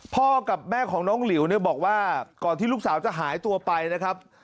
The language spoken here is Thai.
พ่อกับแม่ของน้องหลิวเนี่ยบอกว่าก่อนที่ลูกสาวจะหายตัวไปนะครับ